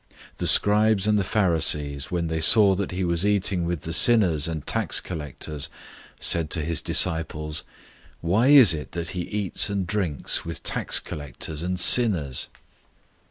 002:016 The scribes and the Pharisees, when they saw that he was eating with the sinners and tax collectors, said to his disciples, "Why is it that he eats and drinks with tax collectors and sinners?"